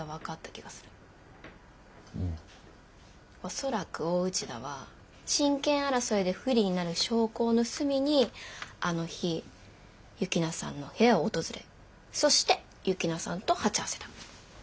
恐らく大内田は親権争いで不利になる証拠を盗みにあの日幸那さんの部屋を訪れそして幸那さんと鉢合わせた。